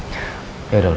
yaudah udah gitu